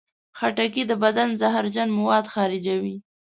خټکی د بدن زهرجن مواد خارجوي.